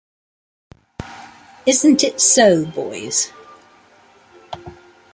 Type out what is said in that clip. Isn't it so, boys?